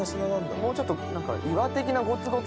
もうちょっと。